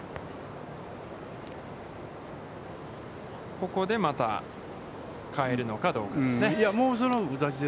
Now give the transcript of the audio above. ここでまた代えるのかどうかですね。